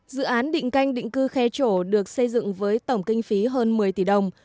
dự án định canh định cư khe chỗ được xây dựng với tổng kinh phí hơn một mươi tỷ đồng